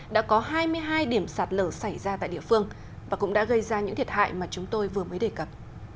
đã có hai mươi hai điểm sạt lở xảy ra tại địa phương và cũng đã gây ra những thiệt hại mà chúng tôi vừa mới đề cập